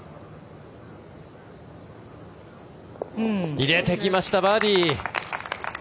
入れてきましたバーディー！